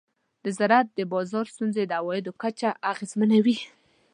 د زراعت د بازار ستونزې د عوایدو کچه اغېزمنوي.